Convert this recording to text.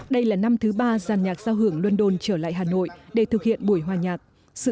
đây là năm thứ ba giàn nhạc giao hưởng london trở lại hà nội để thực hiện buổi hòa nhạc sự